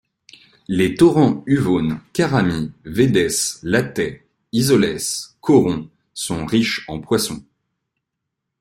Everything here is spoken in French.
Les torrents Huveaune, Caramy, Vedes, Latay, Issoles, Cauron sont riches en poissons.